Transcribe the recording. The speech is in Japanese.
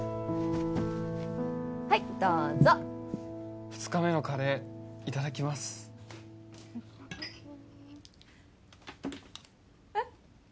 はいどうぞ二日目のカレーいただきますえっ